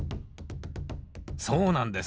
そうなんです。